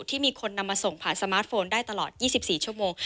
ที่มีคนนำมาส่งผ่านสมาร์ทโฟนได้ตลอด๒๔ชั่วโมง